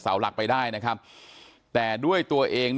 แม้นายเชิงชายผู้ตายบอกกับเราว่าเหตุการณ์ในครั้งนั้น